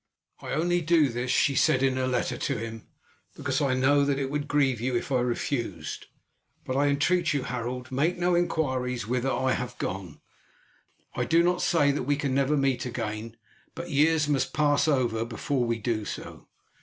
"I only do this," she said in her letter to him, "because I know that it would grieve you if I refused; but I entreat you, Harold, make no inquiries whither I have gone. I do not say that we can never meet again, but years must pass over before we do so.